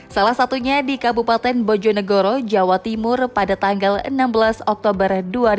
salah satunya di kabupaten bojonegoro jawa timur pada tanggal enam belas oktober dua ribu dua puluh